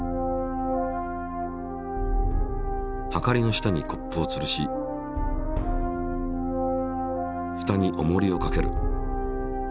はかりの下にコップを吊るしふたにおもりをかける。